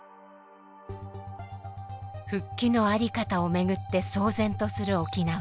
復帰の在り方をめぐって騒然とする沖縄。